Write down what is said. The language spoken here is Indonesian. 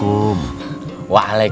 nih makan dulu nih